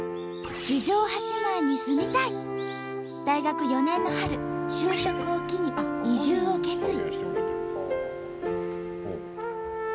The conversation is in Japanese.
大学４年の春就職を機に移住を決意。